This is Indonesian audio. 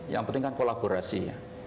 yang penting kan kolaborasi